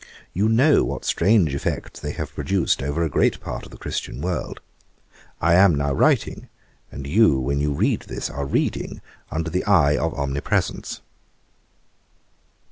You know what strange effects they have produced over a great part of the Christian world. I am now writing, and you, when you read this, are reading under the Eye of Omnipresence.